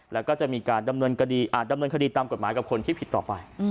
แล้วก็จะมีการดำเนินคดีตามกฎหมายกับคนที่ผิดต่อไป